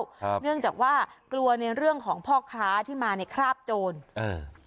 ครับเนื่องจากว่ากลัวในเรื่องของพ่อค้าที่มาในคราบโจรเออ